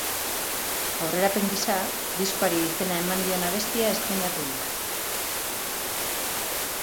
Aurrerapen gisa, diskoari izena eman dion abestia estreinatu du.